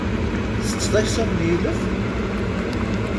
Ttetteḍ aksum n yilef?